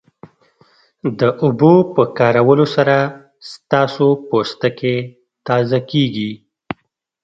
د اوبو په کارولو سره ستاسو پوستکی تازه کیږي